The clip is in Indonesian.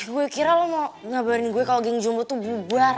gue kira lo mau ngabarin gue kalau ging jumbo tuh bubar